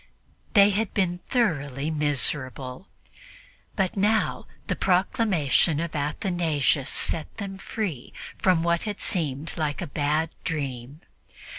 They had been thoroughly miserable, but now the proclamation of Athanasius set them free from what had seemed like a bad dream.